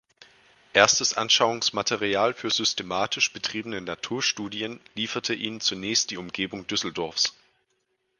Erstes Anschauungsmaterial für systematisch betriebene Naturstudien lieferte ihnen zunächst die Umgebung Düsseldorfs.